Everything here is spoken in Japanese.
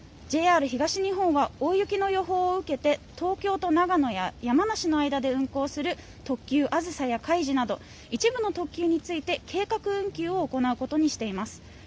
ＪＲ東日本は大雪の予報を受けて東京と長野や山梨の間で運行する特急あずさやかいじなど一部の特急について計画運休を行うことにしています。